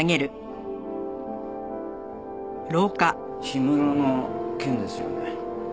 氷室の件ですよね？